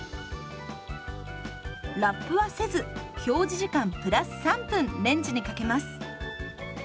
ラップはせず表示時間プラス３分レンジにかけます。